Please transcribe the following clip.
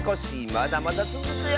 まだまだつづくよ！